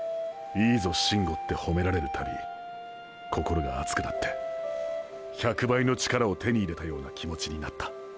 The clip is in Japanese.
「いいぞシンゴ」ってほめられるたび心が熱くなって１００倍の力を手に入れたような気持ちになった。